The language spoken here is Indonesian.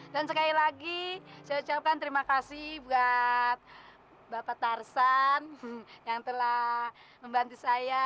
dan sekali lagi saya ucapkan terima kasih buat bapak tarzan yang telah membantu saya